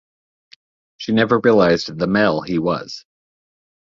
She never realised the male he was.